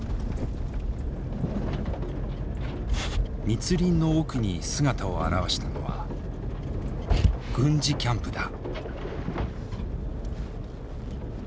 密林の奥に姿を現したのは軍事キャンプだ。